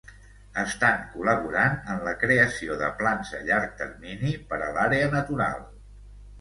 Estan col·laborant en la creació de plans a llarg termini per a l'àrea natural.